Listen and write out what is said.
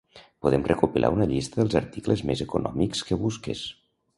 Podem recopilar una llista dels articles més econòmics que busques.